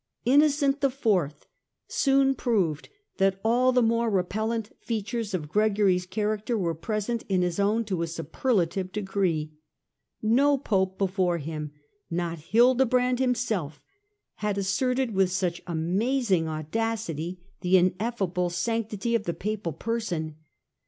Innocent the Fourth soon proved that all the more repellent features of Gregory's character were present in his own to a superlative degree. No Pope before him, not Hildebrand himself, had asserted with such amazing audacity the ineffable sanctity of the Papal person.